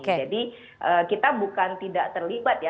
jadi kita bukan tidak terlibat